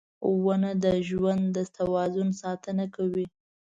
• ونه د ژوند د توازن ساتنه کوي.